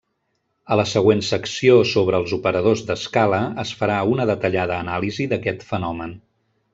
A la següent secció sobre els operadors d'escala es farà una detallada anàlisi d'aquest fenomen.